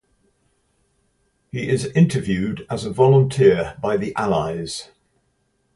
He is interviewed as a volunteer by the allies.